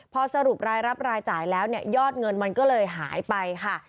พอสรุปรายรับรายจ่ายแล้วเนี่ยยอดเงินมันก็เลยหายไปค่ะ